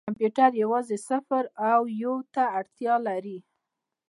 کمپیوټر یوازې صفر او یو ته اړتیا لري.